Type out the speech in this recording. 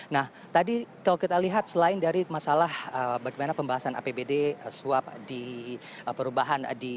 nah tadi kalau kita lihat selain dari masalah bagaimana pembahasan apbd swap di perubahan di